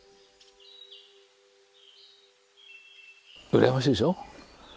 羨ましいでしょ？